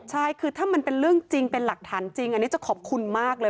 ใช่คือถ้ามันเป็นเรื่องจริงเป็นหลักฐานจริงอันนี้จะขอบคุณมากเลย